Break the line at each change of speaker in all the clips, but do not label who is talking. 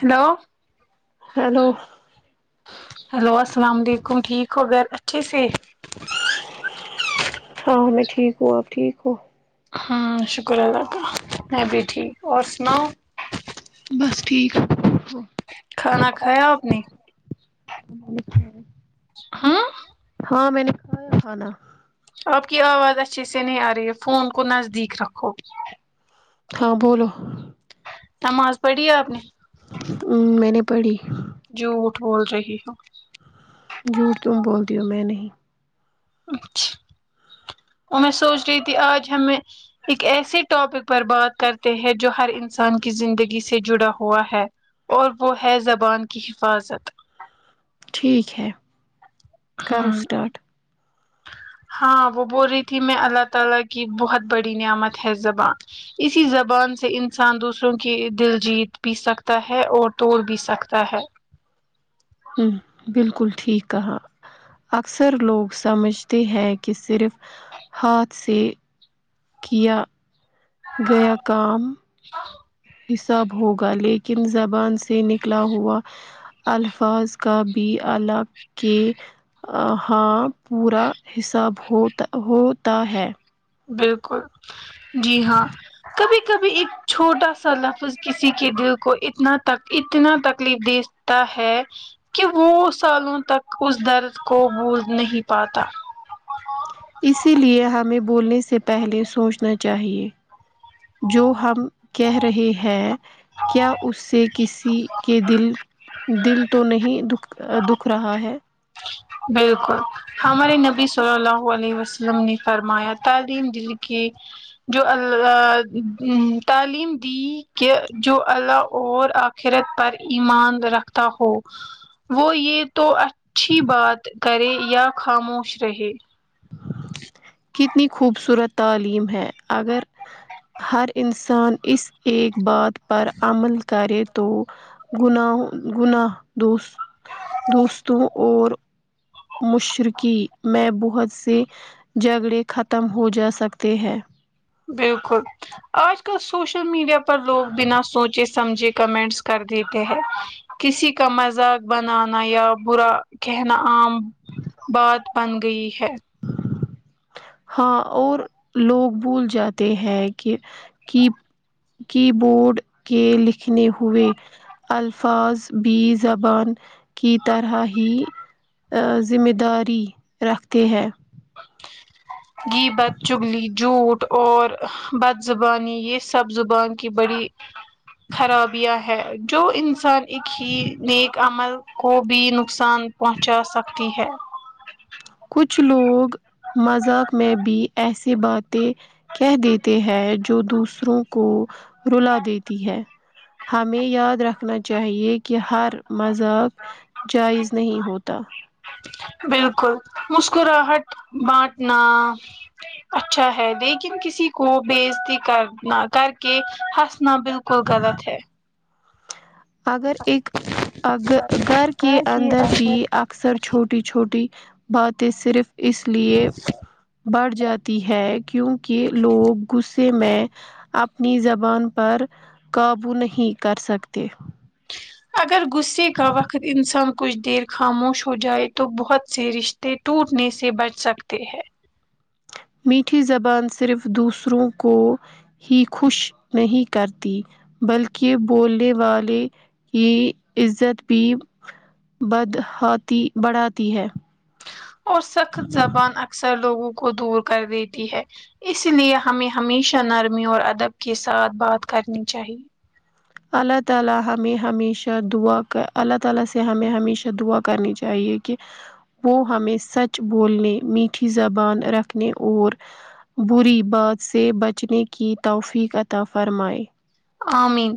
Hello
hello
hello اسلام علیکم ٹھیک ہو گھر اچھے سے
ہاں میں ٹھیک ہوں اپ ٹھیک ہوں
ہاں شکر اللہ کا میں بھی ٹھیک ہوں اور سناؤ
بس ٹھیک [inaudible]
کھانا کھایا اپ نے
[unintelligible]
ہاں
ہاں میں نے کھایا کھانا
آپ کی آواز اچھے سے نہیں آ رہی ہے فون کو نزدیک رکھو
ہاں بولو
نماز پڑھی آپ نے
میں نے پڑھی
جھوٹ بول رہی ہو
جھوٹ تم بولتی ہو میں نہیں
اچھا اور میں سوچ رہی تھی آج ہمیں ایک ایسے ٹاپک پر بات کرتے ہیں جو ہر انسان کی زندگی سے جڑا ہوا ہے اور وہ ہے زبان کی حفاظت
ٹھیک ہے کرو
ہاں
اسٹارٹ
ہاں وہ بول رہی تھی میں اللہ تعالی کی بہت بڑی نعمت ہے زبان اسی زبان سے انسان دوسروں کی دل جیت بھی سکتا ہے اور توڑ بھی سکتا ہے
ہوں بالکل ٹھیک کہا اکثر لوگ سمجھتے ہیں کہ صرف ہاتھ سے کیا گیا کام
[inaudible]
حساب ہوگا لیکن زبان سے نکلا ہوا الفاظ کا بھی الگ کے آ ہاں پورا حساب ہوتا۔ ہوتا ہے
بالکل جی ہاں کبھی کبھی ایک چھوٹا سا لفظ کسی کے دل کو اتنا تک اتنا تکلیف دے تا ہے کہ وہ سالوں تک اس درد کو بھول نہیں پاتا
اسی لیے ہمیں بولنے سے پہلے سوچنا چاہیے جو ہم کہہ رہے ہیں کیا اس سے کسی کے دل دل تو نہیں دکھ۔ دکھ رہا ہے
بالکل ہمارے نبی صلی اللہ علیہ وسلم نے فرمایا تعلیم دل کے جو اللہ ایم م تعلیم دی کہ جو اللہ اور آ خیرت پر ایمان رکھتا ہو وہ یہ تو اچھی بات کرے یا خاموش رہے
کتنی خوبصورت تعلیم ہے اگر ہر انسان اس ایک بات پر عمل کرے تو گناہو۔ گناہ دوس۔ دوستوں اور مشرکی میں بہت سے جھگڑے ختم ہو جا سکتے ہیں
بالکل آج کل سوشل میڈیا پر لوگ بنا سوچے سمجھے کمنٹس کر دیتے ہیں کسی کا مذاق بنانا یا برا کہنا عام بات بن گئی ہے
ہاں اور لوگ بھول جاتے ہیں کہ کہ کی بورڈ کے لکھنے ہوئے الفاظ بھی زبان کی طرح ہی ا ذمہ داری رکھتے ہیں
غیبت، چغلی، جھوٹ اور بد زبانی یہ سب زبان کی بڑی خرابیاں ہے جو انسان ایک ہی نیک عمل کو بھی نقصان پہنچا سکتی ہے
کچھ لوگ مذاق میں بھی ایسا یہ باتیں کہہ دیتے ہیں جو دوسروں کو رلا دیتی ہے ہمیں یاد رکھنا چاہیے کہ ہر مذاق جائز نہیں ہوتا
بالکل مسکراہٹ بانٹنا اچھا ہے لیکن کسی کو بےعزتی کرنا کر کے ہنس نا بالکل غلط ہے
اگر اک اگ گھر کے اندر بھی آ اکثر چھوٹی چھوٹی باتیں صرف اس لیے بڑھ جاتی ہے کیونکہ لوگ غصے میں اپنی زبان پر قابو نہیں کر سکتے
اگر غصے کا وقت انسان کچھ دیر خاموش ہو جائے تو بہت سے رش تے ٹوٹنے سے بچ سکتے ہیں
میٹھی زبان صرف دوسروں کو ہی خوش نہیں کرتی بلکہ بولنے والے کی عزت بھی بد ہاتی بڑھاتی ہے
اور سخت زبان اکثر لوگوں کو دور کر دیتی ہے اس لیے ہمیں ہمیشہ نرمی اور ادب کے ساتھ بات کرنی چاہیے
اللہ تعالی ہمیں ہمیشہ دعا کر اللہ تعالی سے ہمیں ہمیشہ دعا کرنی چاہیے کہ وہ ہمیں سچ بولنے میٹھی زبان رکھنے اور بری بات سے بچنے کی توفیق عطا فرمائے
آ مین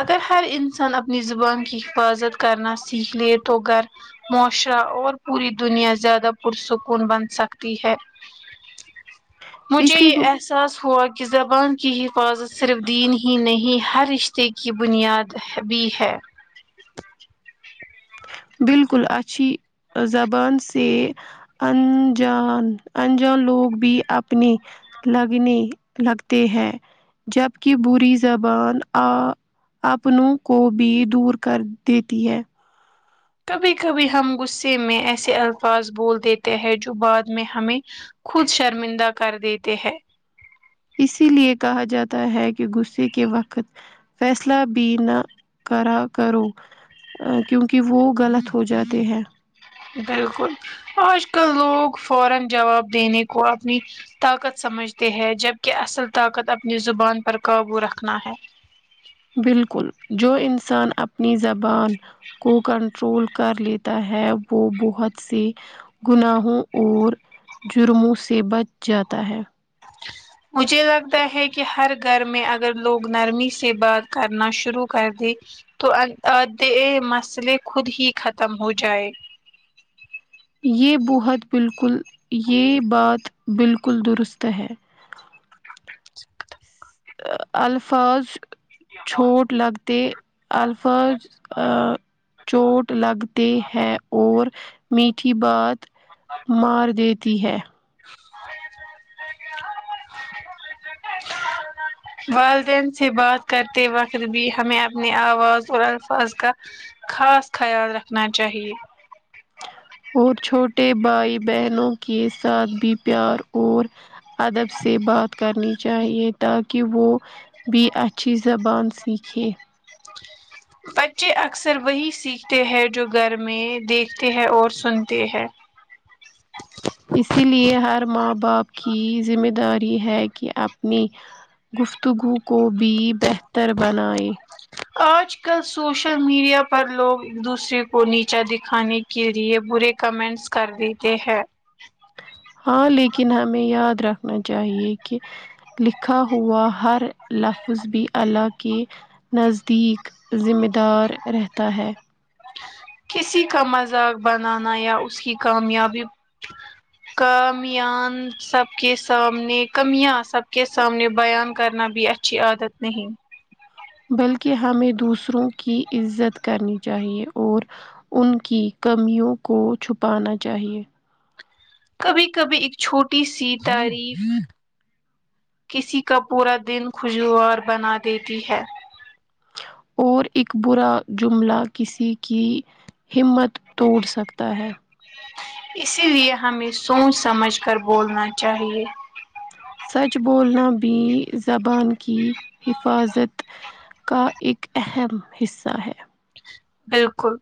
اگر ہر انسان اپنی زبان کی حفاظت کرنا سیکھ لے تو گھر معاشرہ اور پوری دنیا زیادہ پرسکون بن سکتی ہے مجھے
پچھلی
یہ احساس ہوا کہ زبان کی حفاظت صرف دین ہی ہی نہیں ہر رشتے کی بنیاد بھی ہے
بالکل اچھی زبان سے انجان انجان لوگ بھی اپنی لگنے لگتے ہیں جبکہ بری زبان آ اپنوں کو بھی دور کر دیتی ہے
کبھی کبھی ہم غصے میں ایسے الفاظ بول دیتے ہیں جو بعد میں ہمیں خود شرمندہ کر دیتے ہیں
اسی لیے کہا جاتا ہے کہ غصے کے وقت فیصلہ بھی نہ کرا کرو کیونکہ وہ غلط ہو جاتے ہیں
بالکل آج کل لوگ فورا جواب دینے کو اپنی طاقت سمجھتے ہے جبکہ اصل طاقت اپنی زبان پر قابو رکھنا ہے
بالکل جو انسان اپنی زبان کو کنٹرول کر لے تا ہے وہ بہت سی گناہوں اور جرموں سے بچ جاتا ہے
[inaudible] مجھے لگتا ہے کہ ہر گھر میں اگر لوگ نرمی سے بات کرنا شروع کر دے تو آ آدے مسئلے خود ہی ختم ہو جائے
یہ بہت بالکل یہ بات بالکل درست ہے ا الفاظ چھوٹ لگتے الفاظ ا چوٹ لگتے ہے اور میٹھی بات مار دیتی ہے
[inaudible] والدین سے بات کرتے وقت بھی ہمیں اپنی آواز اور الفاظ کا خاص خیال رکھنا چاہیے
اور چھوٹے بھائی بہنوں کے ساتھ بھی پیار اور ادب سے بات کرنی چاہیے تاکہ وہ بھی اچھی زبان سیکھیے
[unintelligible] بچے اکثر وہی سیکھتے ہیں جو گھر میں دیکھتے ہیں اور سنتے ہیں
اسی لیے ہر ماں باپ کی ذمہ داری ہے کہ اپنی گفتگو کو بھی بہتر بنائے
آج کل سوشل میڈیا پر لوگ ایک دوسرے کو نیچا دکھانے کے لیے برے کمنٹس کر دیتے ہیں
ہاں لیکن ہمیں یاد رکھنا چاہیے کہ لکھا ہوا ہر لفظ بھی اللہ کے نزدیک ذمہ دار رہتا ہے
کسی کا مذاق بنانا یا اس کی کامیابی کامیان سب کے سامنے کمیاں سب کے سامنے بیان کرنا بھی اچھ ھی عادت نہیں
بلکہ ہمیں دوسروں کی عزت کرنی چاہیے اور ان کی کمیوں کو چھپانا چاہیے
کبھی کبھی ایک چھوٹی سی تعریف کسی کا پورا دن خوشگوار بنا دیتی ہے
اور ایک برا جملہ کسی کی ہمت توڑ سکتا ہے
اسی لیے ہمیں سوچ سمجھ کر بولنا چاہیے
سچ بولنا بھی زبان کی حفاظت کا ایک اہم حصہ ہے
بالکل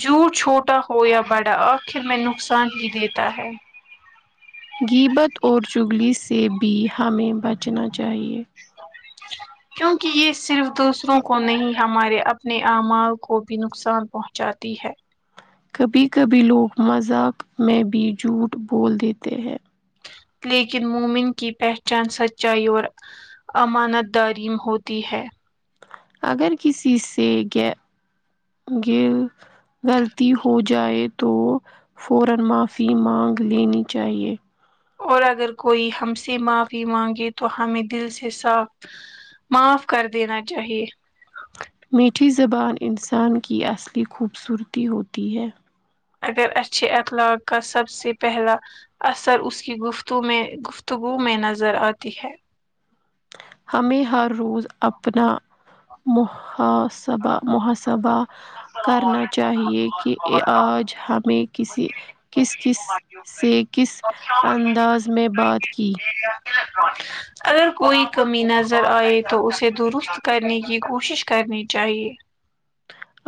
جھوٹ چھوٹا ہو یا بڑا آخر میں نقصان ہی دیتا ہے
غیبت اور چگلی سے بھی ہمیں بچنا چاہیے
کیونکہ یہ صرف دوسروں کو نہیں ہمارے اپنے اعمال کو بھی نقصان پہنچاتی ہے
کبھی کبھی لوگ مذاق میں بھی جھوٹ بول دیتے ہیں
لیکن مومن کی پہچان سچائی اور امانت داریم ہوتی ہے
اگر کسی سے گ گل غلطی ہو جائے تو فورا معافی مانگ لینی چاہیے
اور اگر کوئی ہم سے معافی مانگے تو ہمیں دل سے صاف معاف کر دینا چاہیے
میٹھی زبان انسان کی اصلی خوبصورتی ہوتی ہے
اگر اچھے اخلاق کا سب سے پہلا اثر اس کی گفتو میں گفتگو میں نظر آتی ہے
ہمیں ہر روز اپنا محاسبہ محاسبہ کرنا چاہیے کہ اآج ہمیں کسی کس کس سے کس انداز میں بات کی
اگر کوئی کمی نظر آئے تو اسے درست کرنے کی کوشش کرنی چاہیے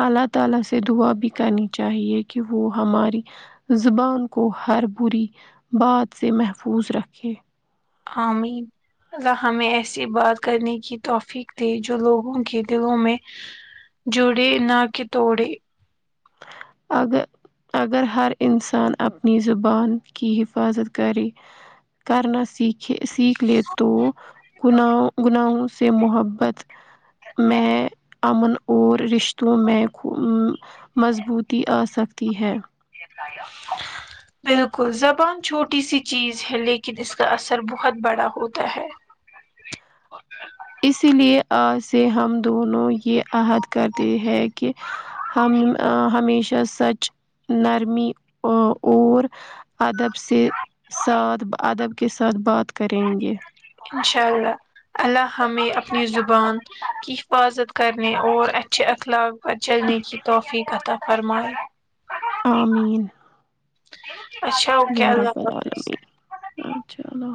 اللہ تعالی سے دعا بھی کرنی چاہیے کہ وہ ہماری زبان کو ہر بری بات سے محفوظ رکھے
امین اللہ ہمیں ایسی بات کرنے کی توفیق دے جو لوگوں کے دلوں میں جوڑے ناکہ توڑے
اگر اگر ہر انسان اپنی زبان کی حفاظت کرے کرنا سی سیکھ لے تو گنو گناہوں سے محبت میں امن اور رشتوں میں خو مضبوط تی آ سکتی ہے
[inaudible] بالکل زبان چھوٹی سی چیز ہے لیکن اس کا اثر بہت بڑا ہوتا ہے
اسی لیے آج سے ہم دونوں یہ عہد کرتے ہیں کہ ہم ہمیشہ سچ نرمی او اور ادب سے ساتھ ادب کے ساتھ بات کریں گے
انشاء اللہ اللہ ہمیں اپنی زبان کی حفاظت کرنے اور اچھے اخلاق پر چلنے کی توفیق عطا فرمائے
آمین
اچھا اوکے
یا رب
اللہ حافظ
العالمین اچھا اللہ